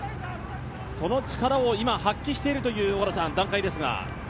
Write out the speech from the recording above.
その力を今、発揮しているという段階です。